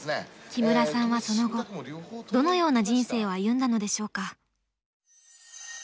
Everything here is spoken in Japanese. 木村さんはその後どのような人生を歩んだのでしょうか。